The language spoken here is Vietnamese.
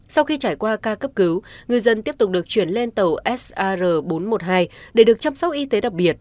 sau khi trải qua ca cấp cứu ngư dân tiếp tục được chuyển lên tàu sar bốn trăm một mươi hai để được chăm sóc y tế đặc biệt